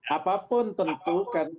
apapun tentu kan